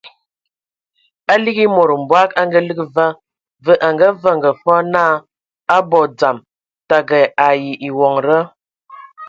A ligi e mod mbɔg a ngaligi va, və a vaŋa fɔɔ naa a abɔ dzam, təgə ai ewonda.